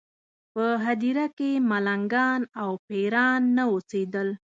په هدیره کې ملنګان او پېران نه اوسېدل.